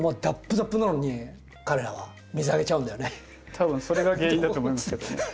たぶんそれが原因だと思いますけどね。